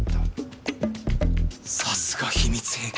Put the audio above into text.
さすが秘密兵器！